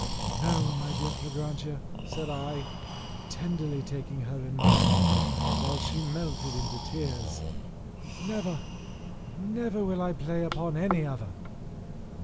"No, my dear Fragrantia," said I, tenderly taking her in my arms while she melted into tears; "never, never, will I play upon any other